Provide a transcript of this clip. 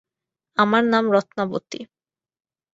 আমার নাম রত্নাবতী।